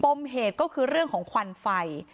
มเหตุก็คือเรื่องของควันไฟ